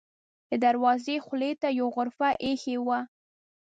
د دروازې خولې ته یوه غرفه اېښې وه.